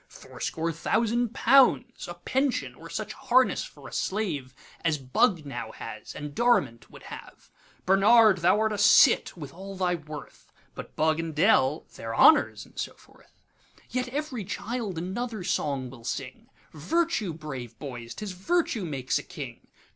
Fourscore thousand pounds;A pension, or such harness for a slaveAs Bug now has, and Dorimant would have. Barnard, thou art a cit, with all thy worth; But Bug and D—l their Honours! and so forth. Yet ev'ry child another song will sing,'Virtue, brave boys! 't is Virtue makes a King.